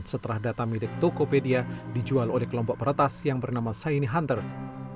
setelah data milik tokopedia dijual oleh kelompok peretas yang bernama saini hunters